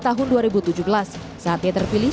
tahun dua ribu tujuh belas saat dia terpilih